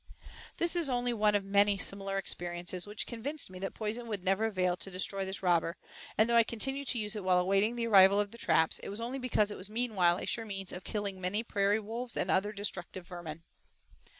This is only one of many similar experiences which convinced me that poison would never avail to destroy this robber, and though I continued to use it while awaiting the arrival of the traps, it was only because it was meanwhile a sure means of killing many prairie wolves and other destructive vermin.